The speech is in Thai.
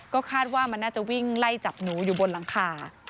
ก็คาดว่ามันน่าจะวิ่งไล่จับหนูอยู่บนหลังคา